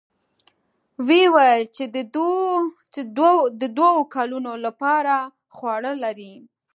ويې ويل چې د دوو کلونو له پاره خواړه لري.